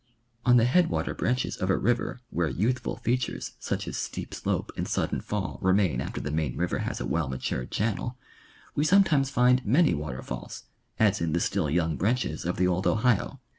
On the headwater branches of a river where youthful features such as steep slope and sudden fall remain after the main river has a well matured channel, we sometimes find many water falls, as in the still young branches of the old Ohio.